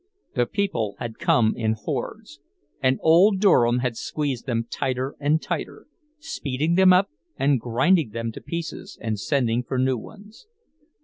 The people had come in hordes; and old Durham had squeezed them tighter and tighter, speeding them up and grinding them to pieces and sending for new ones.